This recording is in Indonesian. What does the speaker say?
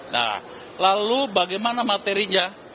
nah lalu bagaimana materinya